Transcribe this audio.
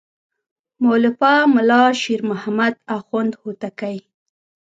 مؤلفه ملا شیر محمد اخوند هوتکی.